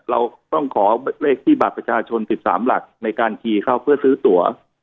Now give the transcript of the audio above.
เราต้องขอเลขที่บัตรประชาชน๑๓หลักในการขี่เข้าเพื่อซื้อตัว